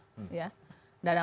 tidak ada masalah